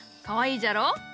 かわいいじゃろう？